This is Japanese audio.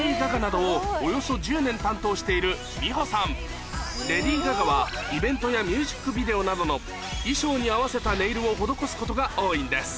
こちらはレディー・ガガはイベントやミュージックビデオなどの衣装に合わせたネイルを施すことが多いんです